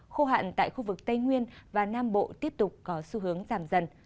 khô hạn tại khu vực tây nguyên và nam bộ tiếp tục có xu hướng giảm dần